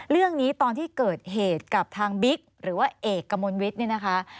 เรื่องนี้ตอนที่เกิดเหตุกับทางบิ๊กหรือว่าเอกกับมนต์วิทย์